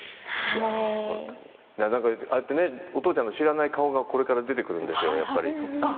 お父ちゃんの知らない顔がこれから出てくるんですよねやっぱり。